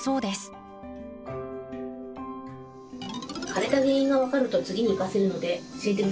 枯れた原因が分かると次に生かせるので教えて下さい。